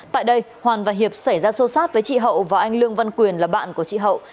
tại đây hoàn và hiệp xảy ra xô xát với chị hậu và anh lương văn quyền là bạn của chị hậu